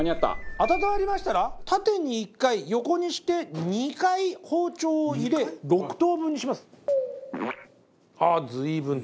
温まりましたら縦に１回横にして２回包丁を入れ６等分にします。